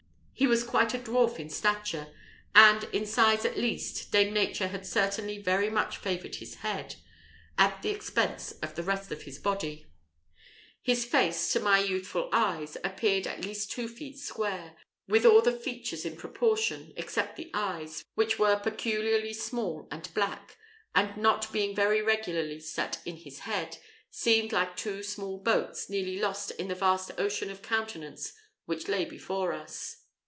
He was quite a dwarf in stature; and, in size at least, dame Nature had certainly very much favoured his head, at the expense of the rest of his body. His face, to my youthful eyes, appeared at least two feet square, with all the features in proportion, except the eyes, which were peculiarly small and black; and not being very regularly set in his head, seemed like two small boats, nearly lost in the vast ocean of countenance which lay before us.